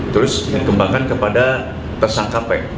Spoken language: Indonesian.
terus dikembangkan kepada tersangka p